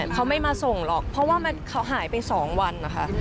เขาไม่มาส่งหรอกเพราะว่าเขาหายไป๒วันนะคะ